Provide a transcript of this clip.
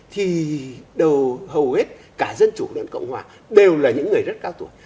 thì đầu hầu hết cả dân chủ đoàn cộng hòa đều là những người rất cao tuổi